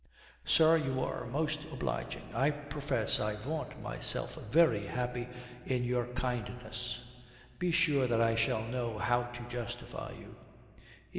"Sir, you are most obliging. I profess I vaunt myself very happy in your kindness. Be sure that I shall know how to justify you."